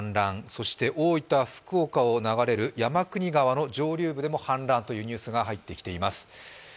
そして大分、福岡を流れる山国川の上流でも氾濫というニュースが入ってきています。